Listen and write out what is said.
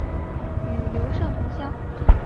与刘胜同乡。